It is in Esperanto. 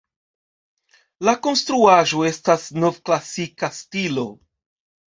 La konstruaĵo estas novklasika stilo.